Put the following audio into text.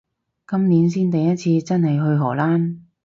今年先第一次真係去荷蘭